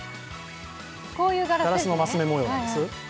ガラスのマス目模様なんです。